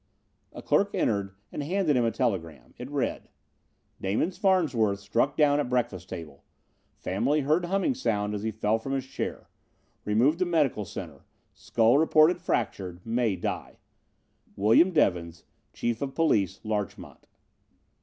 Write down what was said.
A clerk entered and handed him a telegram. It read: "Damon Farnsworth struck down at breakfast table. Family heard humming sound as he fell from his chair. Removed to Medical Center. Skull reported fractured. May die. "William Devins, Chief of Police, Larchmont."